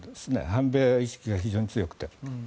反米意識が非常に強くて。